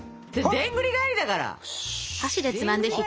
でんぐり返しだからそれ。